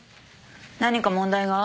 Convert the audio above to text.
何か問題が？